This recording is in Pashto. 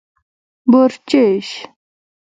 🐊 بورچېش